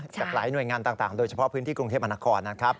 จากหลายหน่วยงานต่างโดยเฉพาะพื้นที่กรุงเทพมนครนะครับ